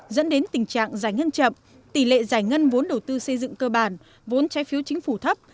dẫn đến tình trạng giải ngân chậm tỷ lệ giải ngân vốn đầu tư xây dựng cơ bản vốn trái phiếu chính phủ thấp